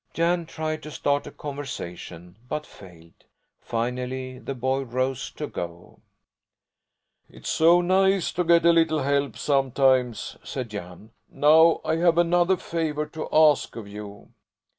Jan tried to start a conversation, but failed. Finally the boy rose to go. "It's so nice to get a little help sometimes," said Jan. "Now I have another favour to ask of you.